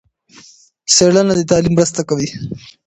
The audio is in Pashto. څېړنه د تعليم مرسته کوي.